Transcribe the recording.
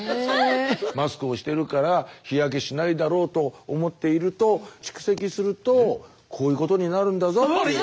マスクをしてるから日焼けしないだろうと思っていると蓄積するとこういうことになるんだぞっていう。